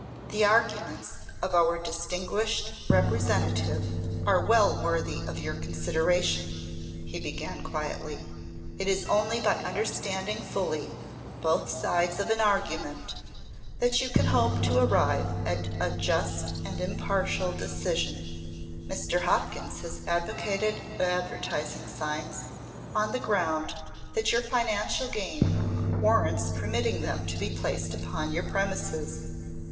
"The arguments of our distinguished Representative are well worthy of your consideration," he began, quietly. "It is only by understanding fully both sides of an argument that you can hope to arrive at a just and impartial decision. Mr. Hopkins has advocated advertising signs on the ground that your financial gain warrants permitting them to be placed upon your premises.